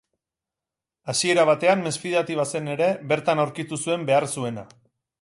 Hasiera batean mesfidati bazen ere, bertan aurkitu zuen behar zuena.